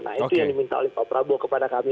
nah itu yang diminta oleh pak prabowo kepada kami